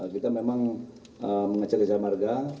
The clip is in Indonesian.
kita memang mengecek jasa marga